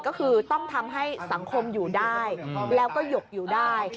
ก็คือต้องทำให้สังคมอยู่ได้แล้วก็หยกอยู่ได้